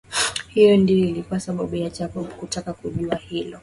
Hiyo ndiyo ilikuwa sababu ya Jacob kutaka kujua hilo